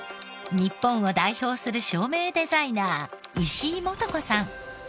日本を代表する照明デザイナー石井幹子さん。